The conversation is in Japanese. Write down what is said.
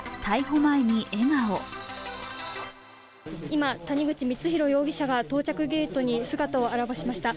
今、谷口光弘容疑者が到着ゲートに姿を現しました。